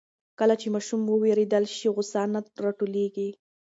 کله چې ماشوم واورېدل شي, غوسه نه راټولېږي.